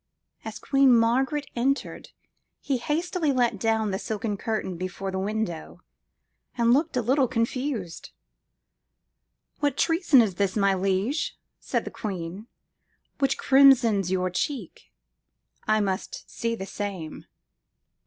As Queen Margaret entered, he hastily let down the silken curtain before the window, and looked a little confused."What treason is this, my liege," said the queen, "which crimsons your cheek? I must see the same.""